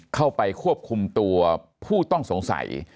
เข้าไปควบคุมตัวผู้ต้องสงสัย